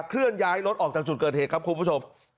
เคลื่อนย้ายรถออกจากจุดเกิดเหตุครับคุณผู้ชม